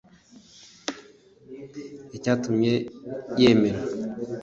Icyatumye yemera